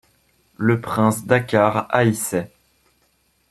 Le prince Dakkar haïssait.